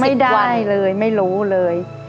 ไม่เลยไม่รู้เลย